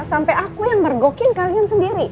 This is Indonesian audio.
sampai aku yang mergokin kalian sendiri